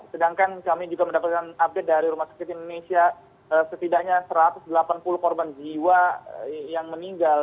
sedangkan kami juga mendapatkan update dari rumah sakit indonesia setidaknya satu ratus delapan puluh korban jiwa yang meninggal